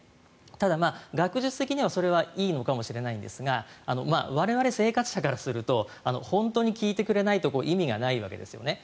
ただ、学術的にはそれはいいのかもしれないんですが我々生活者からすると本当に効いてくれないと意味がないわけですよね。